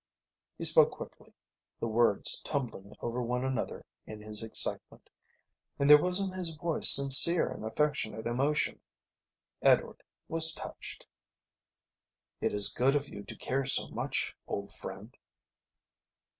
He spoke quickly, the words tumbling over one another in his excitement, and there was in his voice sincere and affectionate emotion. Edward was touched. "It is good of you to care so much, old friend."